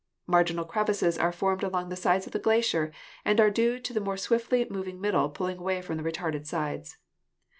Marginal crevasses are formed along the sides of the glacier and are due to the more swiftly moving middle pulling away from the retarded sides.